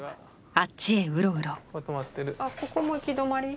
ああここも行き止まり。